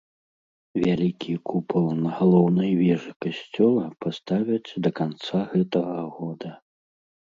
Вялікі купал на галоўнай вежы касцёла паставяць да канца гэтага года.